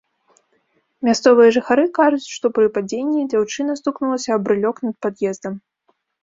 Мясцовыя жыхары кажуць, што пры падзенні дзяўчына стукнулася аб брылёк над пад'ездам.